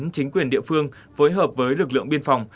chính quyền địa phương phối hợp với lực lượng biên phòng